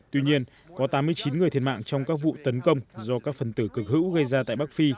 tuy nhiên có tám mươi chín người thiệt mạng trong các vụ tấn công do các phần tử cực hữu gây ra tại bắc phi